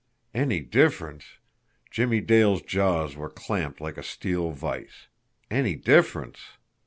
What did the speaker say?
Any difference! Jimmie Dale's jaws were clamped like a steel vise. Any difference!